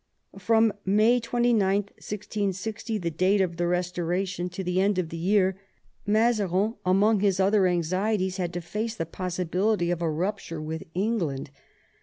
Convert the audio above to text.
From May 29, 1660, the date of the Restoration, to the end of the year Mazarin, among his other anxieties, had to face the possibility of a rupture with England.